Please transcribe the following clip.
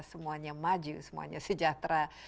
semuanya maju semuanya sejahtera